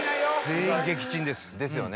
全員撃沈ですですよね